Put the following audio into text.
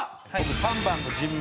３番の人名。